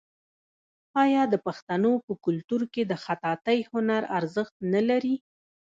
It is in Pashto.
آیا د پښتنو په کلتور کې د خطاطۍ هنر ارزښت نلري؟